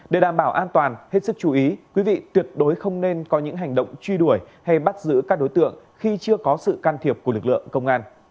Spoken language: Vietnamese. để đảm bảo an toàn hết sức chú ý quý vị tuyệt đối không nên có những hành động truy đuổi hay bắt giữ các đối tượng khi chưa có sự can thiệp của lực lượng công an